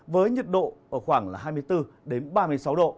với nhiệt độ ở khoảng hai mươi bốn ba mươi sáu độ